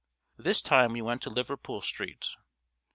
This time we went to Liverpool Street.